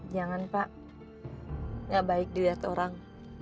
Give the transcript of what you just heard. jangan pak gak baik dilihat orang